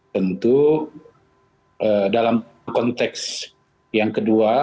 tentu dalam konteks yang kedua